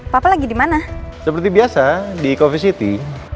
pak papa lagi dimana seperti biasa di coffee city